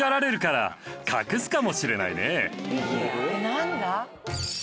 なんだ？」